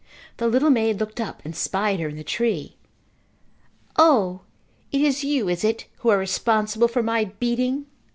The little maid looked up and spied her in the tree. "O, it is you, is it, who are responsible for my beating?"